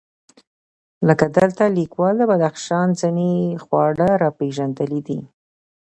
لکه دلته لیکوال د بدخشان ځېنې خواړه راپېژندلي دي،